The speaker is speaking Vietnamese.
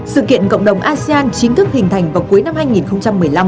sự kiện cộng đồng asean chính thức hình thành vào cuối năm hai nghìn một mươi năm